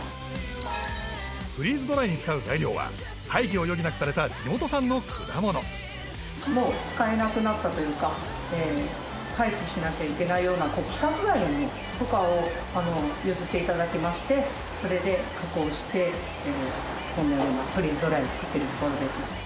フリーズドライに使う材料は廃棄を余儀なくされた地元産の果物もう使えなくなったというか廃棄しなきゃいけないような規格外のものとかを譲っていただきましてそれで加工してこのようなフリーズドライを作っているところです